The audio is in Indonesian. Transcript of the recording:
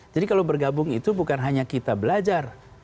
jadi kalau bergabung itu bukan hanya kita belajar